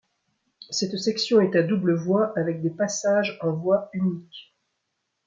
Cette section est à double voie avec des passages en voie unique.